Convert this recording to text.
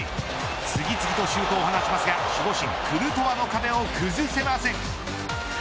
次々とシュートを放ちますが守護神クルトワの壁を崩せません。